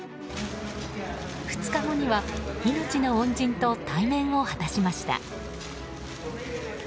２日後には命の恩人と対面を果たしました。